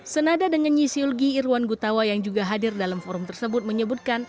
senada dengan nyisiulgi irwan gutawa yang juga hadir dalam forum tersebut menyebutkan